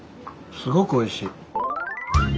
すごくおいしい。